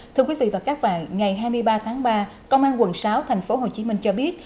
thưa quý vị và các bạn ngày hai mươi ba tháng ba công an quận sáu tp hcm cho biết